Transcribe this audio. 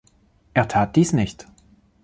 Er tat dies nicht.